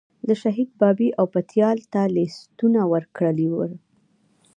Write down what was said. د شهید بابی او پتیال ته لیستونه ورکړي ول.